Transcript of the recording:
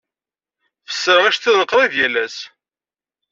Fessreɣ iceḍḍiḍen qrib yal ass.